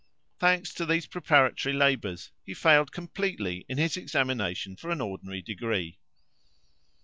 Thanks to these preparatory labours, he failed completely in his examination for an ordinary degree.